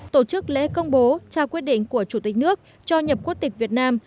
tổ chức lễ công bố trao quyết định của chủ tịch nước cho nhập quốc tịch việt nam